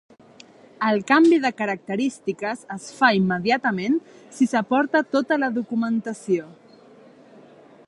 El canvi de característiques es fa immediatament, si s'aporta tota la documentació.